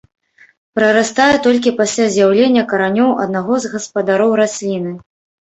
Прарастае толькі пасля з'яўлення каранёў аднаго з гаспадароў расліны.